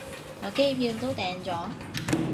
我機票都訂咗